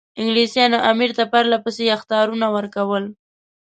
انګلیسانو امیر ته پرله پسې اخطارونه ورکول.